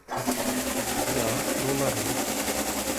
ya, dont a rin.